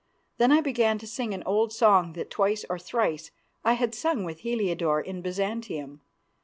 Then I began to sing an old song that twice or thrice I had sung with Heliodore in Byzantium.